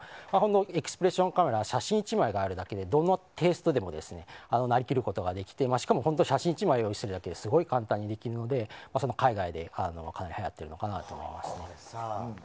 エクスプレッションカメラは写真１枚があるだけでどのテイストでもなりきることができてしかも写真１枚用意すればすごく簡単にできるので海外ではやっているんだと思いますね。